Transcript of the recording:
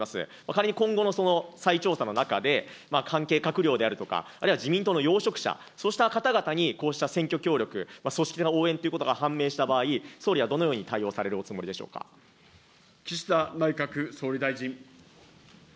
仮に今後の再調査の中で、関係閣僚であるとか、あるいは自民党の要職者、そうした方々に、こうした選挙協力、組織的な応援ということが判明した場合、総理はどのように対応さ岸田内閣総理大臣。